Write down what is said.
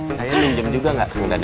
saya pinjam juga gak kang danang